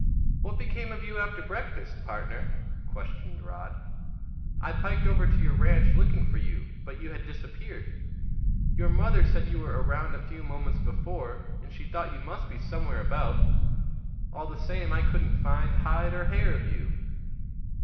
"What became of you after breakfast, partner?" questioned Rod. "I piked over to your ranch looking for you, but you had disappeared. Your mother said you were around a few moments before, and she thought you must be somewhere about; all the same, I couldn't find hide or hair of you."